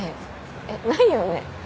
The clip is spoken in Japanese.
えっないよね？